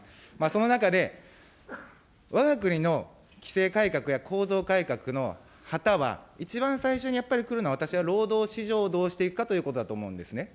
その中で、わが国の規制改革や構造改革の旗は、一番最初にやっぱりくるのは労働市場をどうしていくかということだと思うんですね。